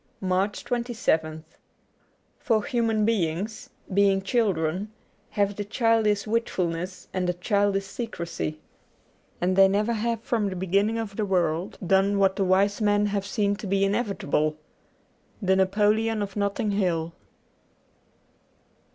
Q2 MARCH 27th FOR human beings, being children, have the childish wilfulness and the childish secrecy. And they never have from the beginning of the world done what the wise men have seen to be inevitable. * The Napoleon of Notting Hill.'